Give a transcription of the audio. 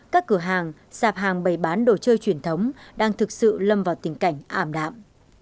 các cửa hàng sạp hàng bày bán đồ chơi truyền thống đang thực sự lâm vào tình cảnh ảm đạm